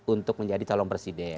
untuk menjadi calon presiden